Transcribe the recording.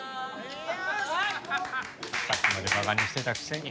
さっきまで馬鹿にしてたくせに。